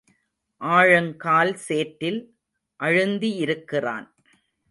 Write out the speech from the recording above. ஆழங்கால் சேற்றில் அழுந்தியிருக்கிறான்.